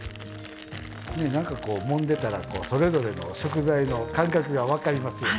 なんかこうもんでたらこうそれぞれの食材の感覚が分かりますよね。